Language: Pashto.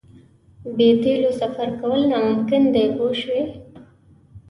بې تیلو سفر کول ناممکن دي پوه شوې!.